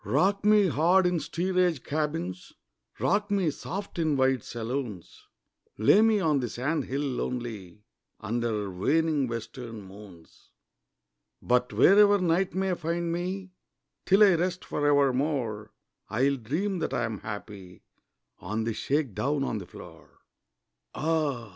Rock me hard in steerage cabins, Rock me soft in wide saloons, Lay me on the sand hill lonely Under waning western moons; But wherever night may find me Till I rest for evermore I will dream that I am happy On the shake down on the floor. Ah!